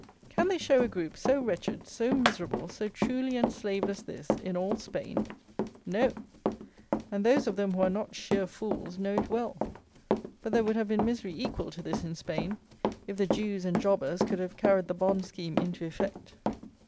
Can they show a group so wretched, so miserable, so truly enslaved as this, in all Spain? No: and those of them who are not sheer fools know it well. But there would have been misery equal to this in Spain if the Jews and Jobbers could have carried the Bond scheme into effect.